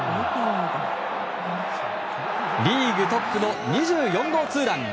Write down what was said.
リーグトップの２４号ツーラン。